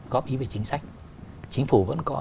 góp ý về chính sách chính phủ vẫn có